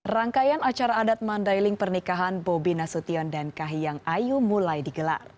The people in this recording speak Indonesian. rangkaian acara adat mandailing pernikahan bobi nasution dan kahiyang ayu mulai digelar